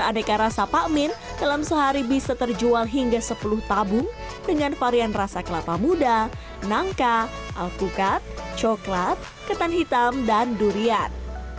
aneka rasa pak min dalam sehari bisa terjual hingga sepuluh tabung dengan varian rasa kelapa muda nangka alpukat coklat ketan hitam dan durian